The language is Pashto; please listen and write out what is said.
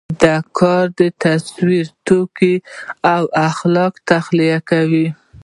دا کار په تصوري توګه او خلاق تخیل کوو.